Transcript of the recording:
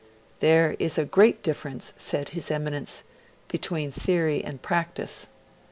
'There is a great difference,' said his Eminence, between theory and practice.